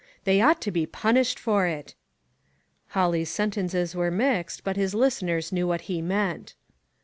They ought to be punished for it." Holly's sentences were mixed, but his listeners knew what lie meant.